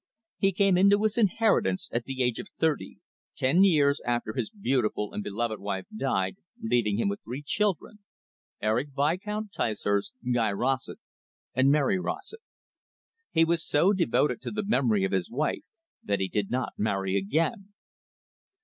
He came into his inheritance at the age of thirty. Ten years after his beautiful and beloved wife died, leaving him with three children, Eric Viscount Ticehurst, Guy Rossett, and Mary Rossett. He was so devoted to the memory of his wife that he did not marry again.